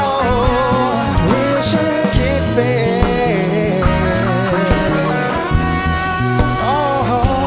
หรือฉันคิดไปเอง